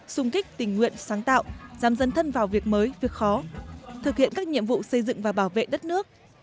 sung kích tình nguyện sáng tạo dám dân thân vào việc mới việc khó thực hiện các nhiệm vụ xây dựng và bảo vệ đất nước